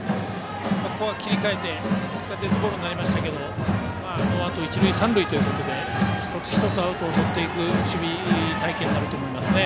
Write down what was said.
ここは切り替えて結果デッドボールになりましたがノーアウト一塁三塁ということで一つ一つアウトをとっていく守備隊形になると思います。